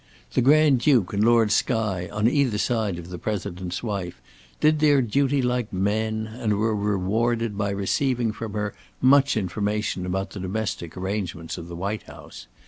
The Grand Duke and Lord Skye, on either side of the President's wife, did their duty like men, and were rewarded by receiving from her much information about the domestic arrangements of the White House.